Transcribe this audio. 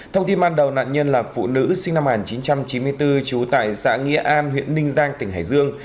thông tin ban đầu nạn nhân là phụ nữ sinh năm một nghìn chín trăm chín mươi bốn trú tại xã nghĩa an huyện ninh giang tỉnh hải dương